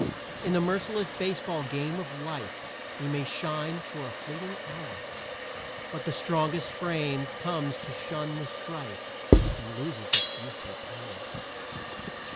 In the merciless baseball game of life We may shine for a fleeting hour, But the strongest frame comes to shun the strife And loses its youthful power.